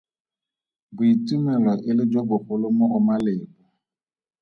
Boitumelo e le jo bogolo mo go Malebo.